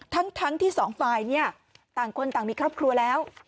ทั้งสองฝ่ายเนี่ยต่างคนต่างมีครอบครัวแล้ว